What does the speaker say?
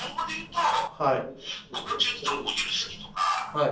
はい。